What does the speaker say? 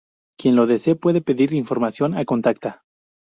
Quien lo desee puede pedir información a Contacta.